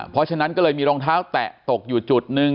เพราะฉะนั้นก็เลยมีรองเท้าแตะตกอยู่จุดนึง